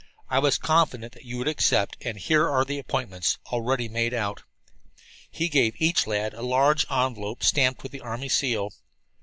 "I was confident that you would accept, and here are the appointments already made out." He gave to each lad a large envelope, stamped with the army seal.